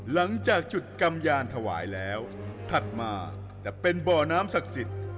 หลังจากจุดกำยานถวายแล้วถัดมาจะเป็นบ่อน้ำศักดิ์สิทธิ์